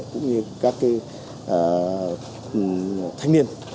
cũng như các thanh niên